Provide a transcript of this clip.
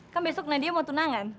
kan besok nadia mau tunangan